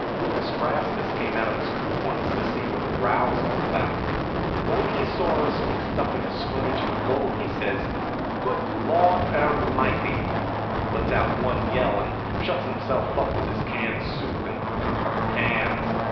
Rufus Rastus came out of his coop once to see what the row was all about; but when he saw us mixed up in a scrimmage for goal he says: "Good Lawd ermighty!" lets out one yell, and shuts himself up with his canned soup and copper pans.